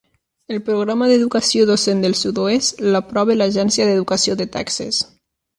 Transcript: El Programa d'Educació Docent del Sud-oest, l'aprova l'Agència d'Educació de Texas.